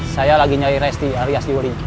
saya lagi nyari resti alias yuli